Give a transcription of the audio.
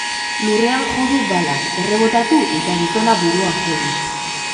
Lurrean jo du balak, errebotatu, eta gizona buruan jo du.